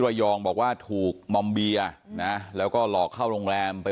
ระยองบอกว่าถูกมอมเบียนะแล้วก็หลอกเข้าโรงแรมไป